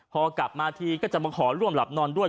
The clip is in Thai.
พอกลับมาทีก็จะมาขอร่วมหลับนอนด้วย